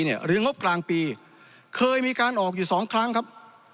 หรืองบกลางปีเคยมีการออกอยู่สองครั้งครับ